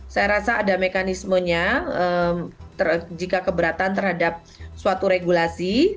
saya rasa ada mekanismenya jika keberatan terhadap suatu regulasi